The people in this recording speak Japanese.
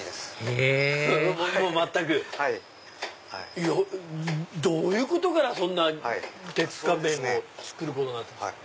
へぇどういうことから鉄火麺を作ることになったんですか？